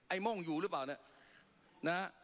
ไอ้ม่งอยู่หรือเปล่าเนี่ย